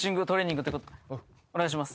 お願いします。